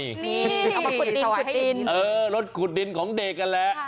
นี่เอามาขุดดินของเด็กนั่นแหละ